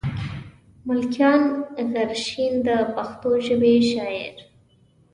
ملکيار غرشين د پښتو ژبې شاعر.